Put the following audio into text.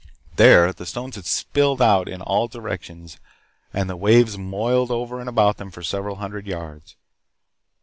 There, the stones had spilled out in all directions and the waves moiled over and about them for several hundred yards.